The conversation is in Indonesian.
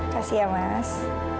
kasih ya mas